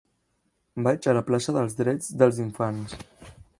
Vaig a la plaça dels Drets dels Infants.